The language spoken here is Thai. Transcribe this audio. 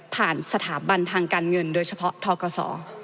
สถาบันทางการเงินโดยเฉพาะทกศ